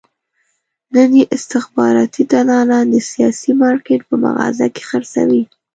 نن یې استخباراتي دلالان د سیاسي مارکېټ په مغازه کې خرڅوي.